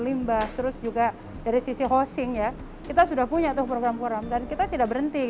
limbah terus juga dari sisi hossing ya kita sudah punya tuh program program dan kita tidak berhenti